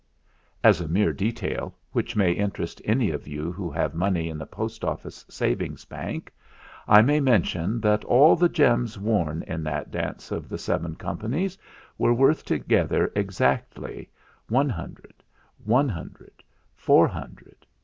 As a mere detail, which may interest any of you who have money in the Post Office Sav ings Bank, I may mention that all the gems worn in that dance of the seven companies were worth together exactly 100,100,400,100,700, 3OO,8oo